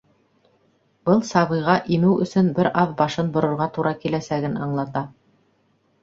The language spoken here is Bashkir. Был сабыйға имеү өсөн бер аҙ башын борорға тура киләсәген аңлата.